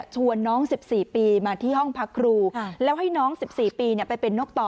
น้อง๑๔ปีมาที่ห้องพักครูแล้วให้น้อง๑๔ปีไปเป็นนกต่อ